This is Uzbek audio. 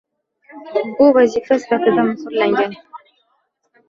Shu vazifa sifatida muhrlangan.